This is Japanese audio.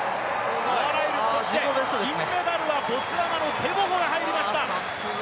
ノア・ライルズ、そして銀メダルはボツワナのテボゴが入りました。